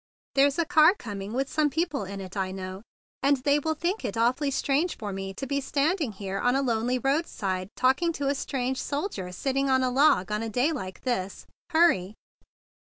"There's a car coming with some people in it I know; and they w T ill think it awfully queer for me to be standing here on a lonely roadside talking to a strange sol¬ dier sitting on a log on a day like this. Hurry!"